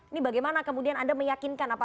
ini bagaimana kemudian anda meyakinkan apa